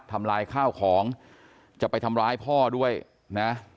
ทำลายข้าวของจะไปทำร้ายพ่อด้วยนะ